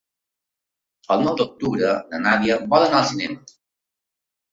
El nou d'octubre na Nàdia vol anar al cinema.